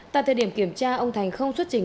tại thời điểm kiểm tra ông thành không xuất trình